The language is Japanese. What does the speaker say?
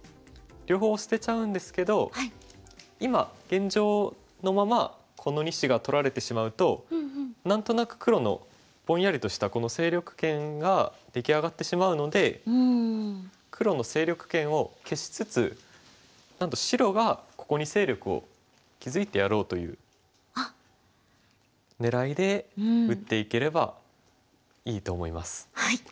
両方捨てちゃうんですけど今現状のままこの２子が取られてしまうと何となく黒のぼんやりとしたこの勢力圏が出来上がってしまうので黒の勢力圏を消しつつなんと白がここに勢力を築いてやろうという狙いで打っていければいいと思います。